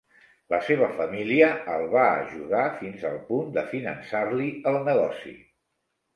La seva família el va ajudar fins al punt de finançar-li el negoci.